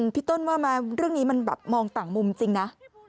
พี่ต้นว่าไหมเรื่องนี้มันแบบมองต่างมุมจริงนะ